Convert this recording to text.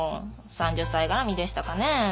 三十歳がらみでしたかね。